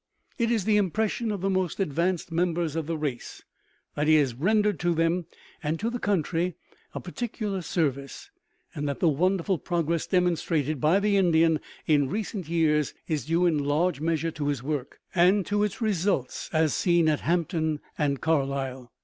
It is the impression of the most advanced members of the race that he has rendered to them and to the country a particular service, and that the wonderful progress demonstrated by the Indian in recent years is due in large measure to his work, and to its results as seen at Hampton and Carlisle.